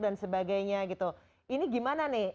dan sebagainya gitu ini gimana nih